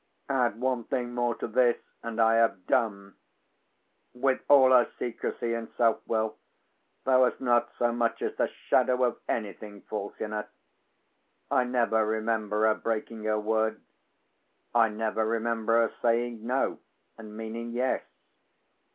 Add one thing more to this, and I have done. With all her secrecy, and self will, there was not so much as the shadow of anything false in her. I never remember her breaking her word; I never remember her saying No, and meaning Yes.